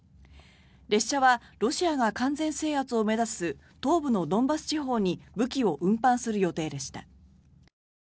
列車はロシアが完全制圧を目指す東部のドンバス地方に武器を運搬する予定でした。